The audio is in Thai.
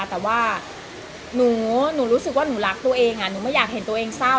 แต่ว่าหนูรู้สึกว่าหนูรักตัวเองหนูไม่อยากเห็นตัวเองเศร้า